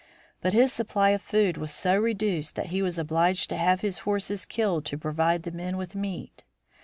But his supply of food was so reduced that he was obliged to have his horses killed to provide the men with meat.